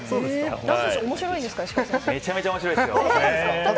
めちゃめちゃ面白いですよ。